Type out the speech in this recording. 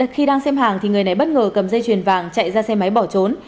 khi đang xem hàng thì người nấy bất ngờ cầm dây chuyền vàng chạy ra xe máy bỏ trốn